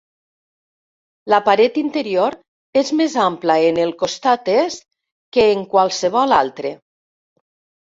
La paret interior és més ampla en el costat est que en qualsevol altre.